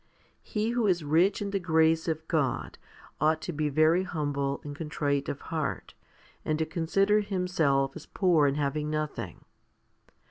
He who is rich in the grace of God ought to be very humble and contrite of heart, and to consider himself as poor and having nothing.